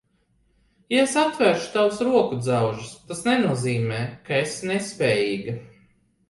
Ja es atvēršu tavus rokudzelžus, tas nenozīmē, ka esi nespējīga.